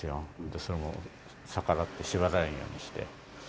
それを逆らって縛られないようにして。